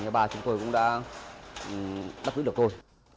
và chúng tôi cũng đã đắc quyết được tôi